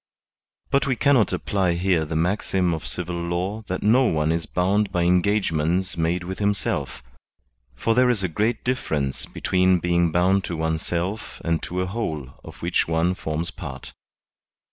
But we cannot apply here the maxim of civil law that no one is bound by engagements made with himself; for there is a great difference between being bound to oneself and to a whole of which one forms part.